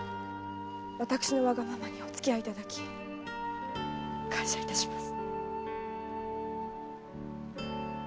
私のわがままにおつき合いいただき感謝いたします。